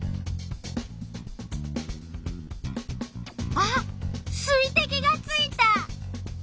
あっ水てきがついた！